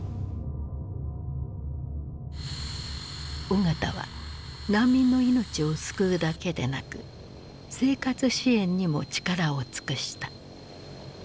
緒方は難民の命を救うだけでなく生活支援にも力を尽くした。